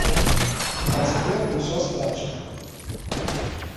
А цяпер усё страчана.